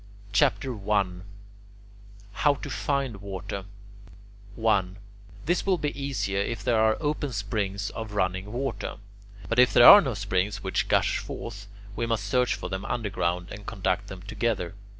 CHAPTER I HOW TO FIND WATER 1. This will be easier if there are open springs of running water. But if there are no springs which gush forth, we must search for them underground, and conduct them together.